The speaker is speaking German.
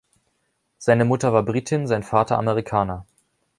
Seine Mutter war Britin, sein Vater Amerikaner.